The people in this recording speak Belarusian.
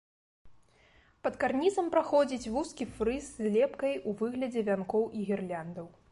Пад карнізам праходзіць вузкі фрыз з лепкай у выглядзе вянкоў і гірляндаў.